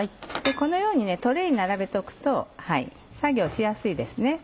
このようにトレーに並べておくと作業しやすいですね。